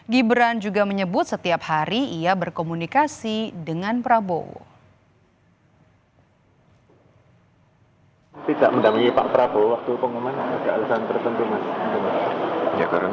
gibran juga menyebut setiap hari ia berkomunikasi dengan prabowo